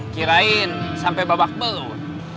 kirain sampai babak belut